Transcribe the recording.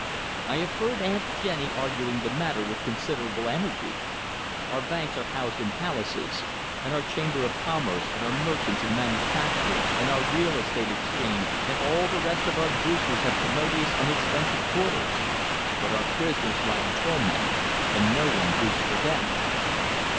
I have heard Aunt Jennie arguing the matter with considerable energy. Our banks are housed in palaces, and our Chamber of Commerce and our Merchants and Manufacturers and our Real Estate Exchange and all the rest of our boosters have commodious and expensive quarters; but our prisoners lie in torment, and no one boosts for them.